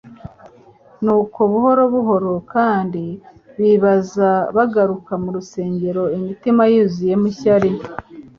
Nuko buhoro buhoro kandi bibaza, bagaruka mu rusengero imitima yuzuwemo n'ishyari.